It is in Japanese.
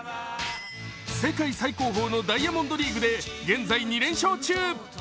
世界最高峰のダイヤモンドリーグで現在２連勝中。